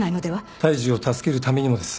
胎児を助けるためにもです。